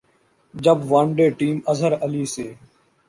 جب one day team Azhar Ali سے